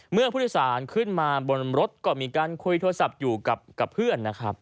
เมื่อพุทธศาลขึ้นมาบนรถก็มีการคุยโทรศัพท์อยู่กับเพื่อน